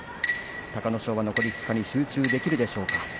隆の勝は残り２日に集中できるでしょうか。